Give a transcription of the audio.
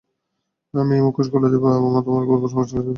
আমি এই মুখোশ খুলে দেবো আর তোমার গোমর ফাঁস করে দেবো।